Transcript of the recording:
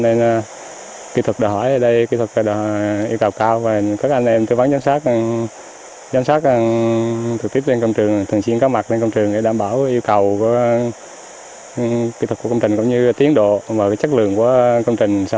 nên kỹ thuật đòi hỏi ở đây kỹ thuật đòi hỏi yêu cầu cao